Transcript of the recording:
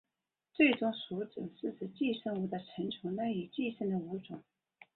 最终宿主是指寄生物的成虫赖以寄生的物种。